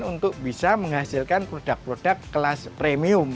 untuk bisa menghasilkan produk produk kelas premium